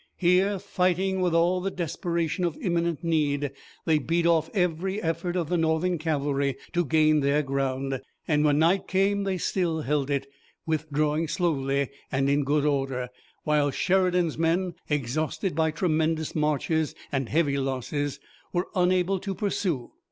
Here, fighting with all the desperation of imminent need, they beat off every effort of the Northern cavalry to gain their ground, and when night came they still held it, withdrawing slowly and in good order, while Sheridan's men, exhausted by tremendous marches and heavy losses, were unable to pursue.